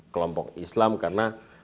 kelompok islam karena